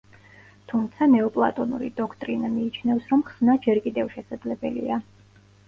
თუმცა, ნეოპლატონური დოქტრინა მიიჩნევს რომ ხსნა ჯერ კიდევ შესაძლებელია.